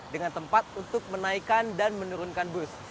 dengan tempat untuk menaikkan dan menurunkan bus